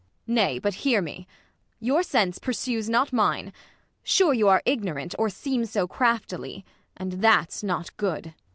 Ang. Nay, but hear me ! Your sense pursues not mine ; sure you are igno rant ; Or seem so craftily, and that's not good.